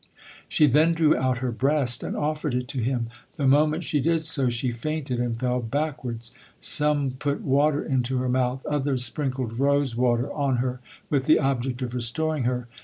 She then drew out her breast, and offered it to him. The moment she did so she fainted and fell back wards. Some put water into her mouth, others sprinkled rosewater on her with the object of restoring her.